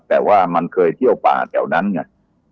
แต่ว่ามันเคยเที่ยวป่าแถวนั้นไง